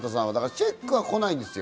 チェックは来ないですよ。